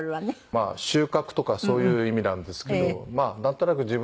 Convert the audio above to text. まあ「収穫」とかそういう意味なんですけどま